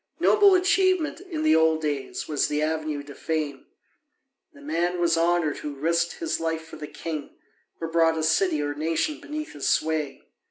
Noble achievement in the old days was the avenue to fame: the man was honoured who risked his life for the king, or brought a city or nation beneath his sway.